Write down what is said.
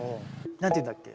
何ていうんだっけ？